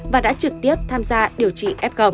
và đã trực tiếp tham gia điều trị